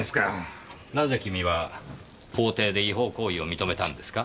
なぜ君は法廷で違法行為を認めたんですか？